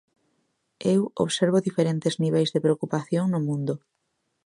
_Eu observo diferentes niveis de preocupación no mundo.